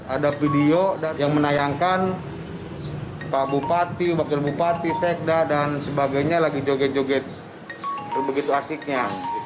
ada video yang menayangkan pak bupati wakil bupati sekda dan sebagainya lagi joget joget begitu asiknya